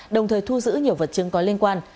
đồng thời thu giữ nhiều vật chứng có liên quan